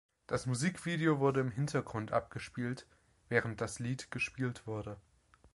Das Musikvideo wurde im Hintergrund abgespielt, während das Lied gespielt wurde.